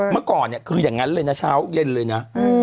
เมื่อก่อนเนี่ยคืออย่างนั้นเลยนะเช้าเย็นเลยนะ